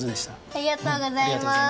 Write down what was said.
ありがとうございます。